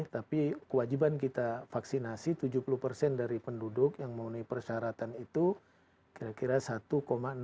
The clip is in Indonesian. tapi kewajiban kita vaksinasi tujuh puluh persen dari penduduk yang memenuhi persyaratan itu kira kira satu enam persen